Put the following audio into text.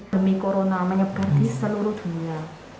demi corona menyebar di seluruh dunia